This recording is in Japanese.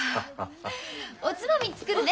おつまみ作るね。